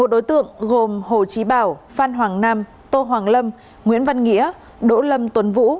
một mươi một đối tượng gồm hồ chí bảo phan hoàng nam tô hoàng lâm nguyễn văn nghĩa đỗ lâm tuấn vũ